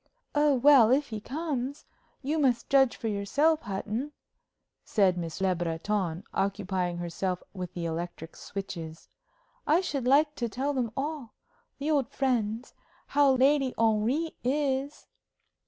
"Oh, well, if he comes you must judge for yourself, Hutton," said Miss Le Breton, occupying herself with the electric switches. "I should like to tell them all the old friends how Lady Henry is."